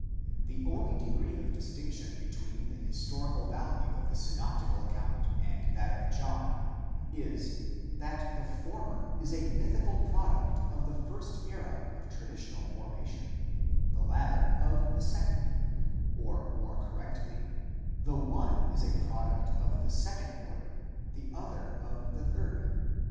The only degree of distinction between the historical value of the synoptical account and that of John is, that the former is a mythical product of the first era of traditional formation, the latter of the second,—or more correctly, the one is a product of the second order, the other of the third.